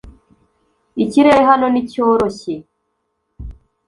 Ikirere hano ni cyoroshye .